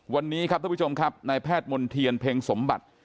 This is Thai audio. วันนี้ครับท่านผู้ชมครับนายแพทย์มณ์เทียนเพ็งสมบัติ